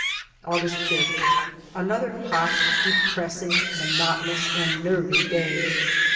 August 5th. Another hot, depressing, monotonous and nervy day.